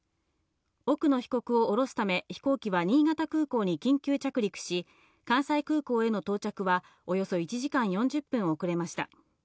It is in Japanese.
奥野被告を下すため、飛行機は新潟空港に緊急着陸し、関西空港への到着はおよそ１時間４０分遅れました。